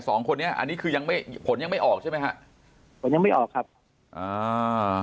สองคนนี้อันนี้คือยังไม่ผลยังไม่ออกใช่ไหมฮะผลยังไม่ออกครับอ่า